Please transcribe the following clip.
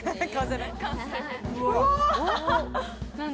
うわ！